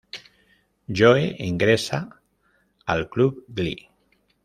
Joe ingresa al club Glee.